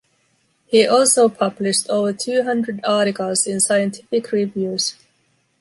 He also published over two hundred articles in scientific reviews.